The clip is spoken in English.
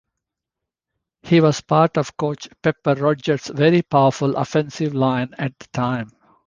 He was part of coach Pepper Rodgers' very powerful offensive line at the time.